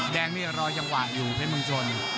แดงนี้รอยังหวาดอยู่เพศมังชน